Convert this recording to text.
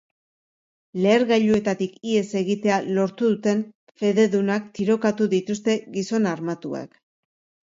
Lehergailuetatik ihes egitea lortu duten fededunak tirokatu dituzte gizon armatuek.